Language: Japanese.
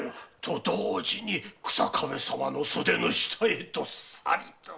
同時に日下部様の袖の下へどっさりと。